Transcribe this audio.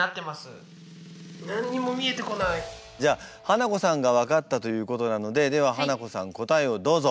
じゃあハナコさんが分かったということなのでではハナコさん答えをどうぞ。